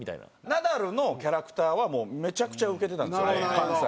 ナダルのキャラクターはめちゃくちゃウケてたんですよ関西で。